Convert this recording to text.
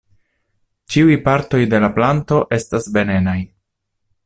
Ĉiuj partoj de la planto estas venenaj.